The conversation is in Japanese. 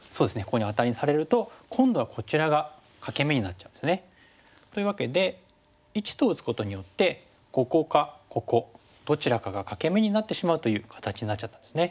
ここにアタリにされると今度はこちらが欠け眼になっちゃうんですね。というわけで①と打つことによってここかここどちらかが欠け眼になってしまうという形になっちゃったんですね。